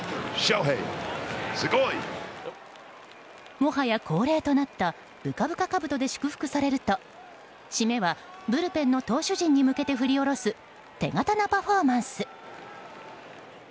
もはや恒例となったぶかぶかかぶとで祝福されると締めは、ブルペンの投手陣に向けて振り下ろす手刀パフォーマンスです。